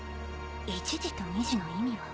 １時と２時の意味は？